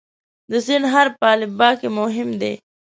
د "س" حرف په الفبا کې مهم دی.